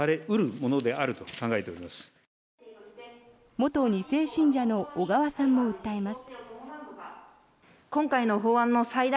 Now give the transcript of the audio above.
元２世信者の小川さんも訴えます。